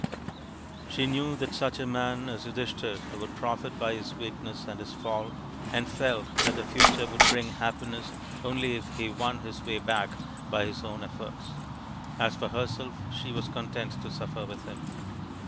She knew that such a man as Yudhishthir would profit by his weakness and his fall, and felt that the future would bring happiness only if he won his way back by his own efforts. As for herself, she was content to suffer with him.